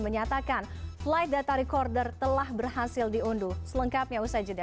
menyatakan flight data recorder telah berhasil diunduh selengkapnya usai jeda